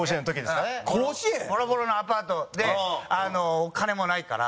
ボロボロのアパートでお金もないから。